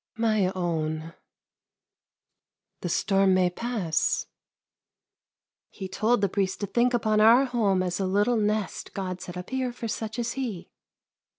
" My own, the storm may pass." '* He told the priest to think upon our home as a little nest God set up here for such as he."